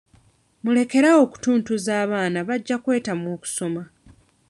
Mulekere awo okutuntuza abaana bajja kwetamwa okusoma.